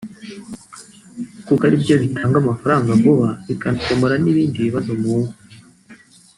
kuko ari byo bitanga amafaranga vuba bikanakemura n’ibindi bibazo mu ngo